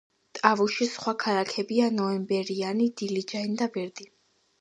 ტავუშის სხვა ქალაქებია: ნოემბერიანი, დილიჯანი და ბერდი.